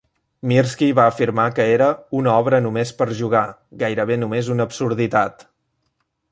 Mirsky va afirmar que era "una obra només per jugar, gairebé només una absurditat".